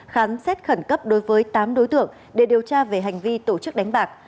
khám xét khẩn cấp đối với tám đối tượng để điều tra về hành vi tổ chức đánh bạc